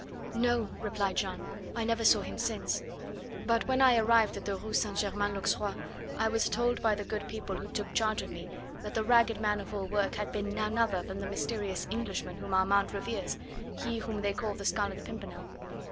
"No!" replied Jeanne. "I never saw him since; but when I arrived at the Rue St. Germain l'Auxerrois I was told by the good people who took charge of me that the ragged man of all work had been none other than the mysterious Englishman whom Armand reveres, he whom they call the Scarlet Pimpernel."